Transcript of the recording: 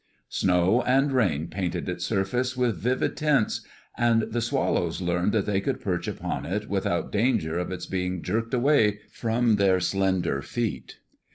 Snow and rain painted its surface with vivid tints, and the swallows learned that they could perch upon it without danger of its being jerked away from their slender feet.